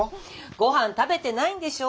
ご飯食べてないんでしょ。